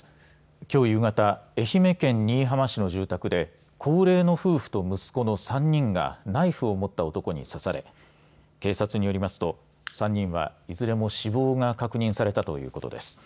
きょう夕方、愛媛県新居浜市の住宅で高齢の夫婦と息子の３人がナイフを持った男に刺され警察によりますと３人はいずれも死亡が確認されたということです。